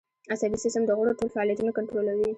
عصبي سیستم د غړو ټول فعالیتونه کنترولوي